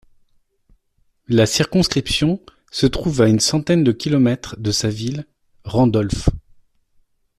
La circonscription se trouve à une centaine de kilomètres de sa ville Randolph.